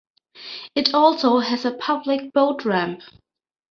It also has a public boat ramp.